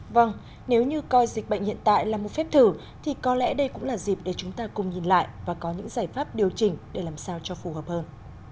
vâng nếu như coi dịch bệnh hiện tại là một phép thử thì có lẽ đây cũng là dịp để chúng ta cùng nhìn lại và có những giải pháp điều chỉnh để làm sao cho phù hợp hơn